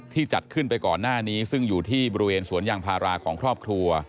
จัดขึ้นไปก่อนหน้านี้ซึ่งอยู่ที่บริเวณสวนยางพาราของครอบครัว